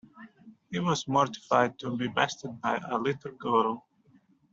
He was mortified to be bested by a little girl.